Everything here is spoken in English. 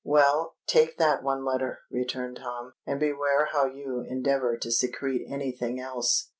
"Well—take that one letter," returned Tom; "and beware how you endeavour to secrete any thing else."